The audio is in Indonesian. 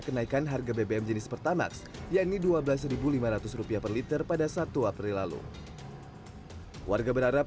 kenaikan harga bbm jenis pertamax yakni dua belas lima ratus rupiah per liter pada satu april lalu warga berharap